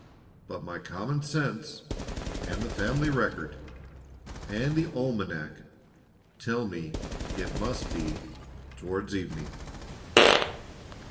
But my common sense, and the family record, and the almanac tell me it must be "towards evening."